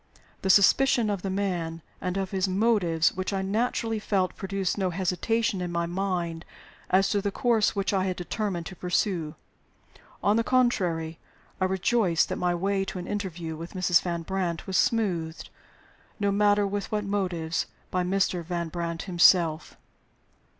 The suspicion of the man and of his motives which I naturally felt produced no hesitation in my mind as to the course which I had determined to pursue. On the contrary, I rejoiced that my way to an interview with Mrs. Van Brandt was smoothed, no matter with what motives, by Mr. Van Brandt himself.